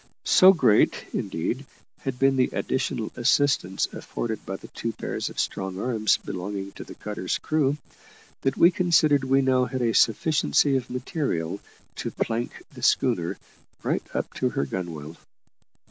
So great, indeed, had been the additional assistance afforded by the two pairs of strong arms belonging to the cutter's crew, that we considered we now had a sufficiency of material to plank the schooner right up to her gunwale.